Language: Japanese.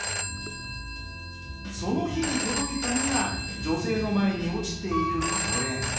その日に届いたのが女性の前に落ちているこれ。